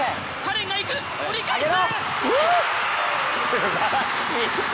すばらしい。